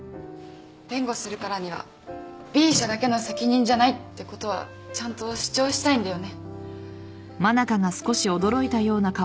弁護するからにはＢ社だけの責任じゃないってことはちゃんと主張したいんだよね。